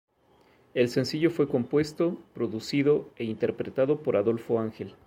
El sencillo fue compuesto, producido e interpretado por Adolfo Ángel.